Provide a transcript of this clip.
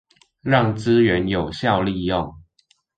讓資源有效利用